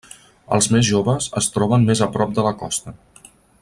Els més joves es troben més a prop de la costa.